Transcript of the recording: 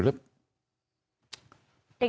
โอ้โถ